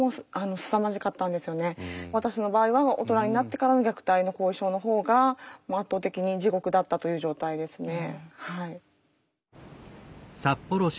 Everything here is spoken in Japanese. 私の場合は大人になってからの虐待の後遺症の方が圧倒的に地獄だったという状態ですね。